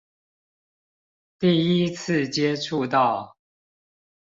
第一次接觸到